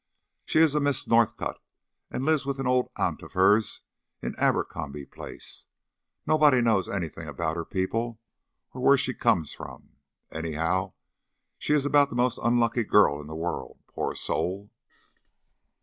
"She is a Miss Northcott, and lives with an old aunt of hers in Abercrombie Place. Nobody knows anything about her people, or where she comes from. Anyhow, she is about the most unlucky girl in the world, poor soul!"